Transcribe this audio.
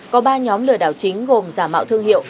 có ba nhóm lừa đảo chính gồm giả mạo thương hiệu